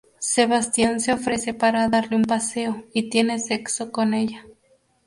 Sebastian se ofrece para darle un paseo, y tiene sexo con ella.